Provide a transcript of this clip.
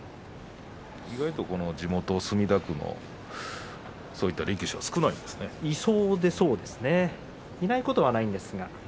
意外と地元墨田区のそういった力士は少ないですね。